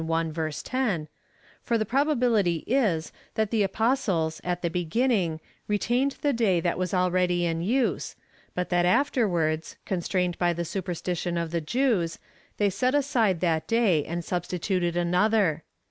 10,) for the probability is, that the Apostles, at the beginning, retained the day that was already in use, but that afterwards, con strained by the superstition of the Jews, they set aside that day, and substituted another.